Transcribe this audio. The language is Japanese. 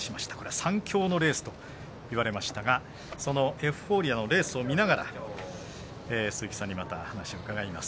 ３強のレースといわれましたがそのエフフォーリアのレースを見ながら鈴木さんにまた話を伺います。